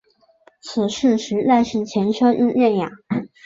此事实在是前车可鉴啊。